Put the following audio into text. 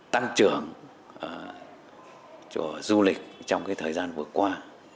tăng trưởng cho du lịch trong thời gian vừa qua